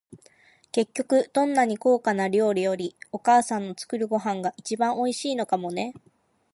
結局、どんなに高価な料理より、お母さんの作るご飯が一番おいしいのかもね。